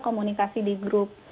komunikasi di grup